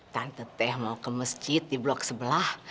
tante teh mau ke masjid di blok sebelah